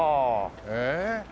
ええ？